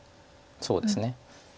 そうですね。